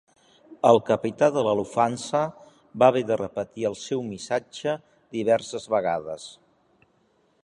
El capità de Lufthansa va haver de repetir el seu missatge diverses vegades.